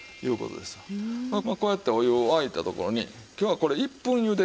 こうやってお湯が沸いたところに今日はこれ１分ゆで。